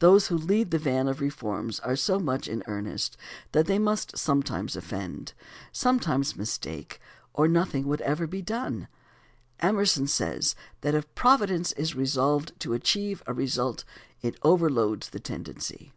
Those who lead the van of reforms are so much in earnest that they must sometimes offend, sometimes mistake, or nothing would ever be done. Emerson says that if Providence is resolved to achieve a result it over loads the tendency.